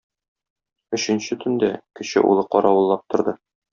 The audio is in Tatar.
Өченче төндә кече улы каравыллап торды.